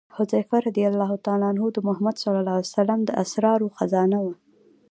حذیفه رض د محمد صلی الله علیه وسلم د اسرارو خزانه وه.